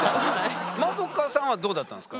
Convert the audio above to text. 円さんはどうだったんですか？